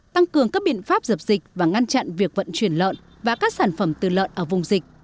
tăng cường các biện pháp dập dịch và ngăn chặn việc vận chuyển lợn và các sản phẩm từ lợn ở vùng dịch